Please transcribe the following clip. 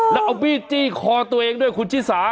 แล้วเอามีดจี้คอตัวเองด้วยคุณชิสา